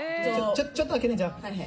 ちょっとだけねじゃ。